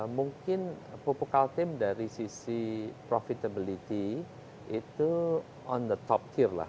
mungkin pupuk kaltim dari sisi profitability itu on the top tour lah